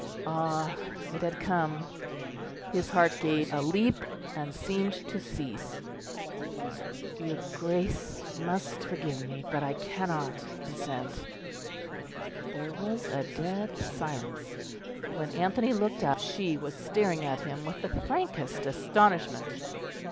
Ah! it had come; his heart gave a leap and seemed to cease. "Your Grace must forgive me, but I cannot consent." There was a dead silence; when Anthony looked up, she was staring at him with the frankest astonishment.